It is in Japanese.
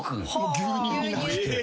牛乳になってて。